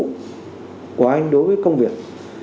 cái nghĩa vụ của anh đối với công việc